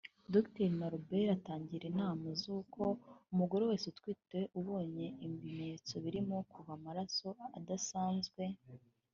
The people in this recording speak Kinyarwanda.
Dr Norbert atanga inama z’uko umugore wese utwite ubonye ibimenyetso birimo kuva amaraso adasanzwe